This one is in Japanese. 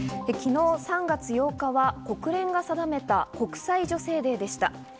昨日３月８日は国連が定めた国際女性デーでした。